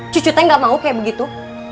cucu saya gak mau kayak begitu